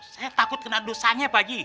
saya takut kena dosanya pak haji